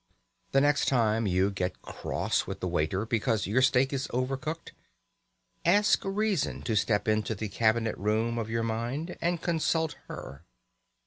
The next time you get cross with the waiter because your steak is over cooked, ask reason to step into the cabinet room of your mind, and consult her.